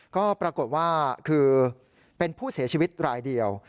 ก็ปรากฏว่าคือเป็นผู้เสียชีวิตรายเดียว